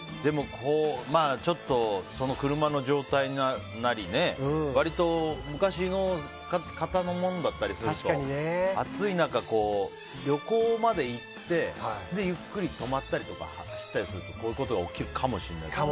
ちょっとその車の状態なり割と昔の型のものだったりすると暑い中、旅行まで行ってゆっくり止まったりとか走ったりするとこういうことが起きるかもしれない。